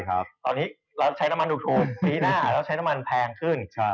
ตอนนี้เราใช้น้ำมันถูกปีหน้าเราใช้น้ำมันแพงขึ้น